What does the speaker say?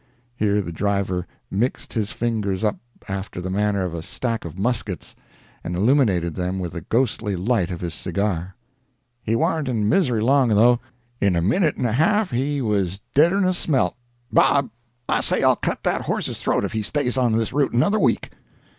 ( Here the driver mixed his fingers up after the manner of a stack of muskets, and illuminated them with the ghostly light of his cigar.) "He warn't in misery long though. In a minute and a half he was deader'n a smelt—Bob! I say I'll cut that horse's throat if he stays on this route another week."